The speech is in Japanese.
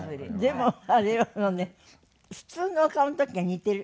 でもあれなのね普通の顔の時は似てる。